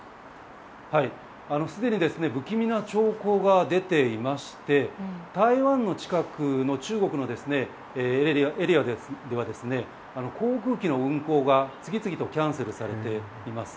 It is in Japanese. すでに不気味な兆候が出ていまして台湾の近くの中国のエリアでは航空機の運航が次々とキャンセルされています。